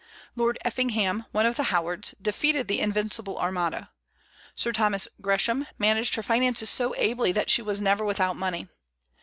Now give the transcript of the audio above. Lord Effingham, one of the Howards, defeated the "Invincible Armada." Sir Thomas Gresham managed her finances so ably that she was never without money.